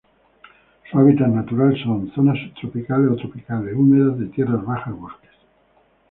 Su hábitat natural son: zonas subtropicales o tropicales húmedas de tierras bajas, bosques